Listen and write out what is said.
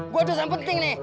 gue dosa penting nih